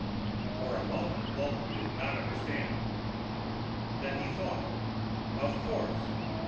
For a moment Walton did not understand. Then he thought, _Of course.